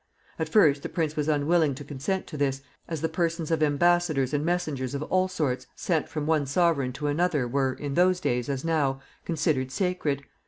At first the prince was unwilling to consent to this, as the persons of embassadors and messengers of all sorts sent from one sovereign to another were, in those days as now, considered sacred.